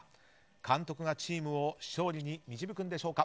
監督がチームを勝利に導くんでしょうか。